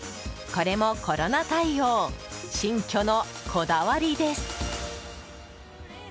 これもコロナ対応新居のこだわりです。